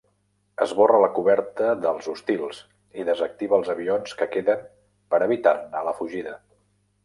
Esborra la coberta dels hostils i desactiva els avions que queden per evitar-ne la fugida.